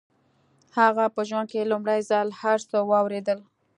هغه په ژوند کې لومړي ځل هر څه واورېدل.